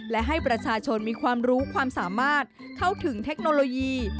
และให้ประชาชนมีความรู้ความสามารถเข้าถึงเทคโนโลยี